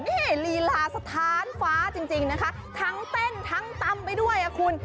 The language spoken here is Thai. นี่ลีลาสถานฟ้าจริงนะคะทั้งเต้นทั้งตำไปด้วยอ่ะคุณ